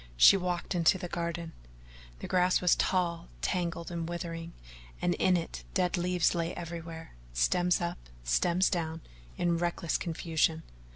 She walked into the garden. The grass was tall, tangled, and withering, and in it dead leaves lay everywhere, stems up, stems down, in reckless confusion.